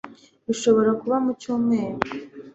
bishobora kuba mu cyumweru